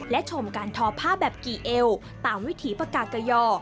และชมการทอผ้าแบบกี่เอวตามวิถีปากากย่อ